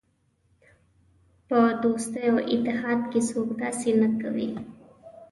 په دوستۍ او اتحاد کې څوک داسې نه کوي.